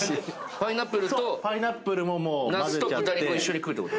パイナップルとなすと豚肉を一緒に食うってこと？